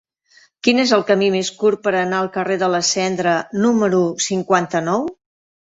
Quin és el camí més curt per anar al carrer de la Cendra número cinquanta-nou?